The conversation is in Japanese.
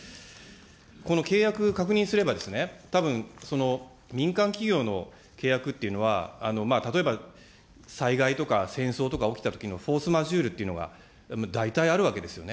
この契約を確認すれば、たぶん、民間企業の契約というのは、例えば、災害とか、戦争とか起きたときのフォースマジュールというのが大体あるわけですよね。